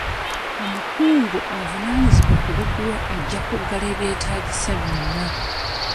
Omukungu avunaanyizibwa ku bigulwa ajja kugala ebyetaagisa byonna.